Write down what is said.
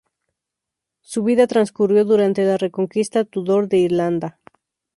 Su vida transcurrió durante la reconquista Tudor de Irlanda.